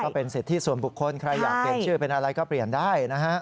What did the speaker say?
เป็นสิทธิส่วนบุคคลใครอยากเปลี่ยนชื่อเป็นอะไรก็เปลี่ยนได้นะฮะ